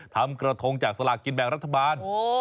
ทำกระทงจากสลากกินแบ่งรัฐบาล